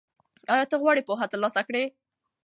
ایا ته غواړې پوهه ترلاسه کړې؟